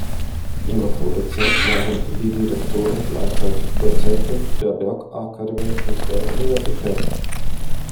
In der Folgezeit waren die Direktoren gleichzeitig Dozenten der Bergakademie und der Universität.